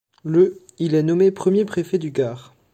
Le il est nommé premier préfet du Gard.